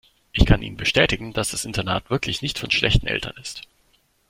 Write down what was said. Ich kann Ihnen bestätigen, dass das Internat wirklich nicht von schlechten Eltern ist.